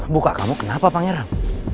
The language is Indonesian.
buka kamu kenapa pangeran